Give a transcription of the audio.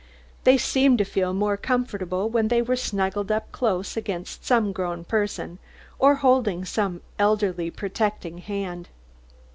They seemed to feel more comfortable when they were snuggled up close against some grown person, or holding some elderly protecting hand.